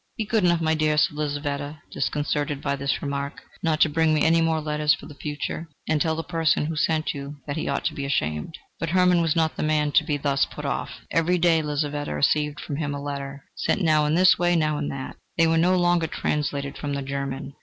"Be good enough, my dear," said Lizaveta, disconcerted by this remark, "not to bring me any more letters for the future, and tell the person who sent you that he ought to be ashamed..." But Hermann was not the man to be thus put off. Every day Lizaveta received from him a letter, sent now in this way, now in that. They were no longer translated from the German.